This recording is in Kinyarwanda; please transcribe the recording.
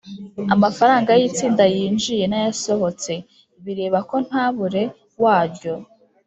amafaranga yitsinda yinjiye nayasohotse bireba kontabure waryo